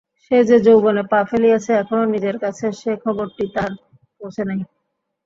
সে যে যৌবনে পা ফেলিয়াছে এখনো নিজের কাছে সে খবরটি তাহার পৌঁছে নাই।